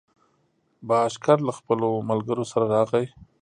بهاشکر له خپلو ملګرو سره راغی.